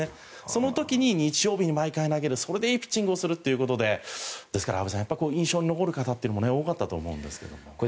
その時に日曜日に毎回投げるそれでいいピッチングをするというのでですから、安部さん印象に残る方っていうのも多かったと思いますが。